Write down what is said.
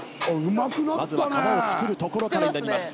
まずは皮を作るところからになります。